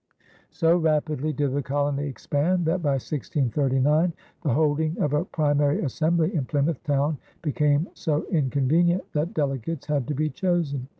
So rapidly did the colony expand that, by 1639, the holding of a primary assembly in Plymouth town became so inconvenient that delegates had to be chosen.